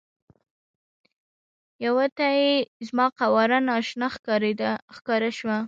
یوه ته یې زما قواره نا اشنا ښکاره شوه.